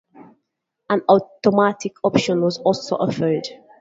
An automatic option was also offered.